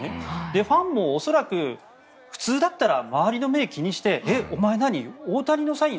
ファンも恐らく普通だったら周りの目を気にしてえっ、お前、大谷のサイン